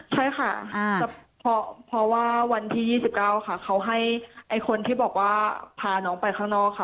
ใช่ค่ะอ่าพอพอว่าวันที่ยี่สิบเก้าค่ะเขาให้ไอ้คนที่บอกว่าพาน้องไปข้างนอกค่ะ